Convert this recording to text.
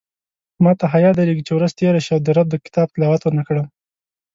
ماته حیاء درېږې چې ورځ تېره شي او د رب د کتاب تلاوت ونکړم